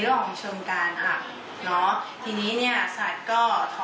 แล้วก็อีกอย่างหนึ่งคือถ้าวันนี้พรุ่งนี้พบคุมหลอกทอด